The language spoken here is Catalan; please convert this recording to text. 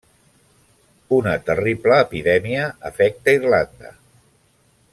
Una terrible epidèmia afecta Irlanda.